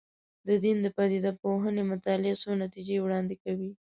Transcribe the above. د دین د پدیده پوهنې مطالعات څو نتیجې وړاندې کوي.